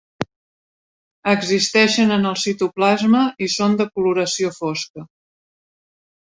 Existeixen en el citoplasma i són de coloració fosca.